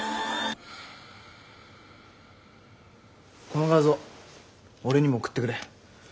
この画像俺にも送ってくれ。